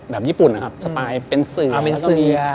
แบบญี่ปุ่นนะครับสไตล์เป็นเสือแล้วก็มีเป็นเสือ